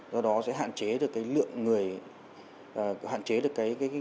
do đó sẽ hạn chế được